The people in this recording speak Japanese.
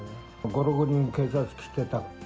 ５、６人警察来てた。